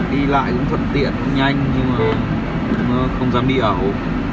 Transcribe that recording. đi lại cũng thuận tiện cũng nhanh nhưng mà cũng không dám đi ảo